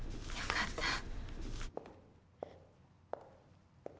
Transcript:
よかった。